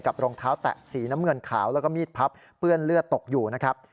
รองเท้าแตะสีน้ำเงินขาวแล้วก็มีดพับเปื้อนเลือดตกอยู่นะครับ